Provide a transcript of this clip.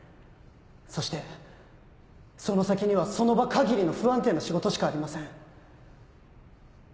そしてその先にはその場限りの不安定な仕事しかありません。